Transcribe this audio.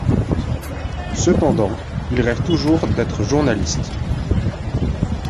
Cependant, il rêve toujours d'être journaliste.